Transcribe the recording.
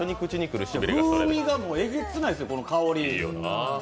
風味がえげつないですね、この香り。